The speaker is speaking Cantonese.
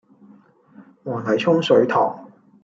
黃泥涌水塘